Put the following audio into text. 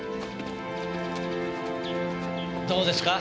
どうですか？